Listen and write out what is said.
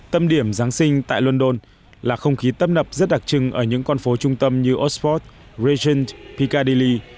tâm điểm giáng sinh tại london là không khí tấp nập rất đặc trưng ở những con phố trung tâm như oxford regent piccadilly